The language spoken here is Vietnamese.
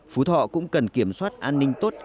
phú thọ cũng cần kiểm soát an ninh tốt